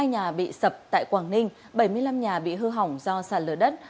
hai nhà bị sập tại quảng ninh bảy mươi năm nhà bị hư hỏng do sạt lở đất